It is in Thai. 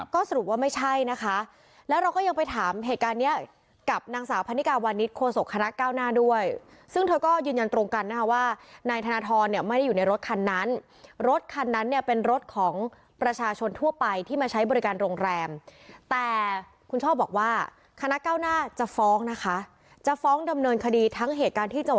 ก็สรุปว่าไม่ใช่นะคะแล้วเราก็ยังไปถามเหตุการณ์เนี้ยกับนางสาวพันนิกาวานิสโคศกคณะเก้าหน้าด้วยซึ่งเธอก็ยืนยันตรงกันนะคะว่านายธนทรเนี่ยไม่ได้อยู่ในรถคันนั้นรถคันนั้นเนี่ยเป็นรถของประชาชนทั่วไปที่มาใช้บริการโรงแรมแต่คุณช่อบอกว่าคณะเก้าหน้าจะฟ้องนะคะจะฟ้องดำเนินคดีทั้งเหตุการณ์ที่จะ